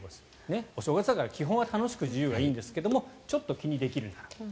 お正月だから基本は楽しく自由がいいんですがちょっと気にできるなら。